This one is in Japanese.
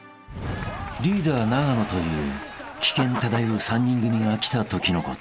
［リーダー永野という危険漂う３人組が来たときのこと］